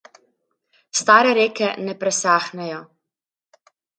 Stare reke ne presahnejo.